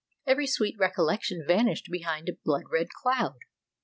Every sweet recollection vanished behind a blood red cloud.